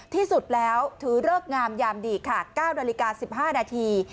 ที่สุดแล้วถือเลิกงามยามดีค่ะ๙นาฬิกา๑๕นาที